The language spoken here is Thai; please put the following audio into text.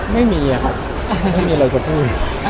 ไม่มีครับไม่มีอะไรจะพูด